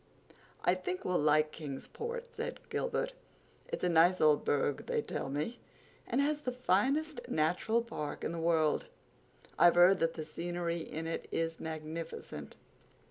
"I think we'll like Kingsport," said Gilbert. "It's a nice old burg, they tell me, and has the finest natural park in the world. I've heard that the scenery in it is magnificent."